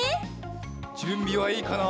じゅんびはいいかな？